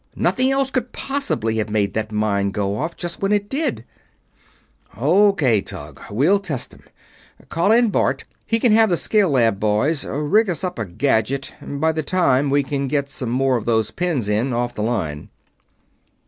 Nothing else could possibly have made that mine go off just when it did." "O.K., Tug. We'll test 'em. Call Bart in he can have the scale lab boys rig us up a gadget by the time we can get some more of those pins in off the line."